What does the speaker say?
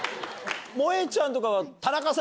もえちゃんとかは。